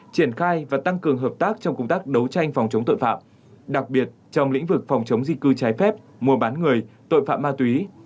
triển khai và tăng cường hợp tác trong công tác đấu tranh phòng chống tội phạm đặc biệt trong lĩnh vực phòng chống di cư trái phép mua bán người tội phạm ma túy